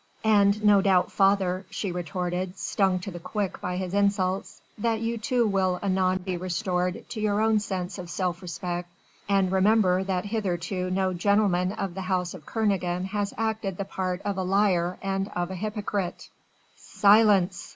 "And no doubt, father," she retorted, stung to the quick by his insults, "that you too will anon be restored to your own sense of self respect and remember that hitherto no gentleman of the house of Kernogan has acted the part of a liar and of a hypocrite!" "Silence!"